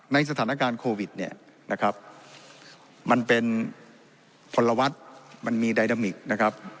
ในสถานการณ์โควิดเนี่ยนะครับมันเป็นมันมีนะครับ